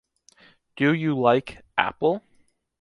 Do you like apple?